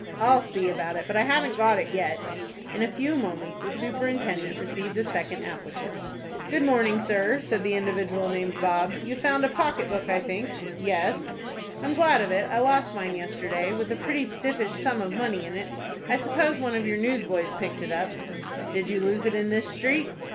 "I'll see about it; but I haven't got it yet." In a few moments the superintendent received a second applicant. "Good morning, sir," said the individual named "Bob." "You've found a pocket book, I think." "Yes." "I'm glad of it. I lost mine yesterday, with a pretty stiffish sum of money in it. I suppose one of your newsboys picked it up." "Did you lose it in this street?"